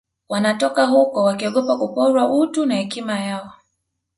wanatoka huko wakiogopa kuporwa utu na hekima yao